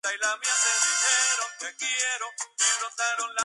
Sin embargo, la familiaridad con frecuencia produce atracción.